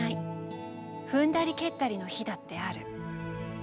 踏んだり蹴ったりの日だってある。